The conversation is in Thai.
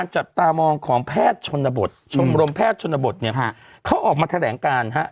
จับตามองของแพทย์ชนบทชมรมแพทย์ชนบทเนี่ยเขาออกมาแถลงการฮะ